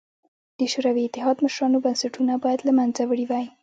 د شوروي اتحاد مشرانو بنسټونه باید له منځه وړي وای